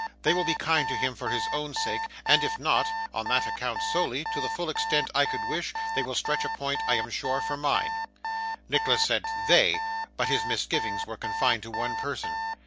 They will be kind to him for his own sake, and if not (on that account solely) to the full extent I could wish, they will stretch a point, I am sure, for mine.' Nicholas said 'they', but his misgivings were confined to one person.